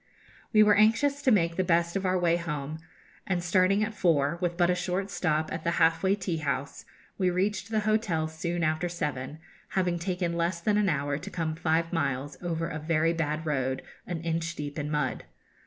We were anxious to make the best of our way home, and starting at four, with but a short stop at the halfway tea house, we reached the hotel soon after seven, having taken less than an hour to come five miles over a very bad road, an inch deep in mud.